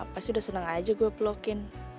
pasti udah senang aja gue pelokin